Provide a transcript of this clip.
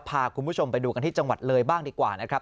พาคุณผู้ชมไปดูกันที่จังหวัดเลยบ้างดีกว่านะครับ